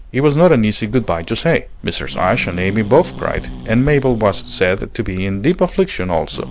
It was not an easy good by to say. Mrs. Ashe and Amy both cried, and Mabel was said to be in deep affliction also.